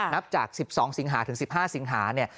นับจาก๑๒สิงหาถึง๑๕สิงหาเนี่ย